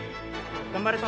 頑張るぞ。